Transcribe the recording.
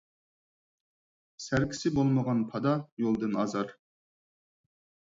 سەركىسى بولمىغان پادا يولدىن ئازار.